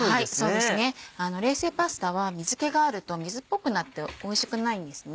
そうですね冷製パスタは水気があると水っぽくなっておいしくないんですね。